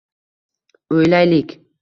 O’ylaylik.